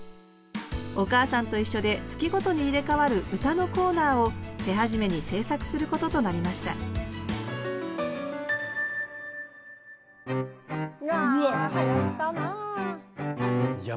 「おかあさんといっしょ」で月ごとに入れ変わる歌のコーナーを手始めに制作することとなりましたわあはやったなあ。